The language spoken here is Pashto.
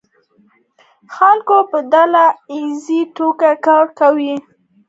خلکو به په ډله ایزه توګه کار کاوه.